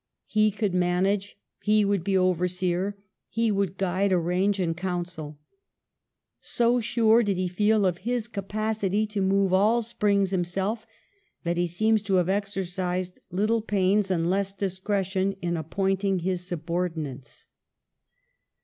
He would manage, he would be overseer, he would guide, arrange, and counsel. So sure did he feel of his capacity to move all springs himself, that he seems to have exercised little pains and less discretion in ap pointing his subordinates.